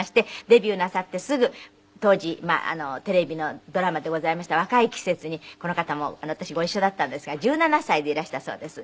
デビューなさってすぐ当時テレビのドラマでございました『若い季節』にこの方も私ご一緒だったんですが１７歳でいらしたそうです。